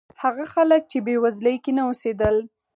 هغه خلک چې بېوزلۍ کې نه اوسېدل.